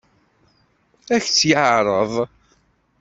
Ad k-tt-yeɛṛeḍ?